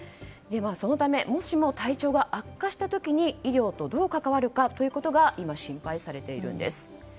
そのためもしも体調が悪化した時に医療とどう関わるかということが今、心配されているんです。